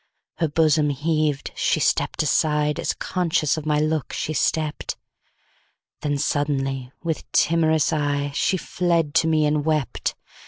Her bosom heaved—she stepp'd aside, As conscious of my look she stept—Then suddenly, with timorous eyeShe fled to me and wept.